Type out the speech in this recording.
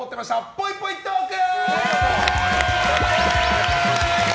ぽいぽいトーク！